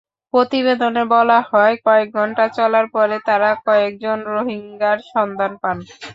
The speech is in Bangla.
প্রতিবেদনে বলা হয়, কয়েক ঘণ্টা চলার পরে তাঁরা কয়েকজন রোহিঙ্গার সন্ধান পান।